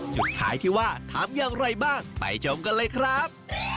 จุดขายที่ว่าทำอย่างไรบ้างไปชมกันเลยครับ